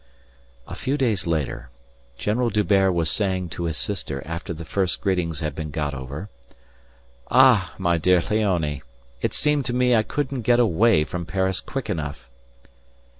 A few days later General D'Hubert was saying to his sister after the first greetings had been got over: "Ah, my dear Léonie! It seemed to me I couldn't get away from Paris quick enough."